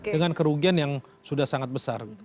dengan kerugian yang sudah sangat besar